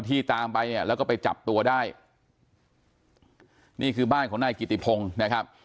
ตามไปเนี่ยแล้วก็ไปจับตัวได้นี่คือบ้านของนายกิติพงศ์นะครับ